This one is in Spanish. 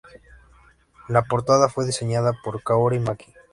La portada fue diseñada por Kaori Maki.